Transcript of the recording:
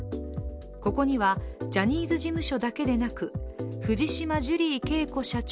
ここにはジャニーズ事務所だけでなく藤島ジュリー景子社長